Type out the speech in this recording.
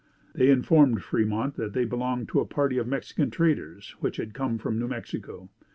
They informed Fremont that they belonged to a party of Mexican traders which had come from New Mexico.